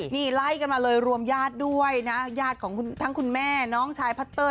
นี่ไล่กันมาเลยรวมญาติด้วยนะญาติของทั้งคุณแม่น้องชายพัตเตอร์